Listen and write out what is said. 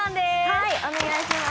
はいお願いします